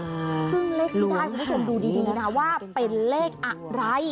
ซึ่งเลขที่ได้คุณผู้ชมดูดีดีนะว่าเป็นเลขอะไร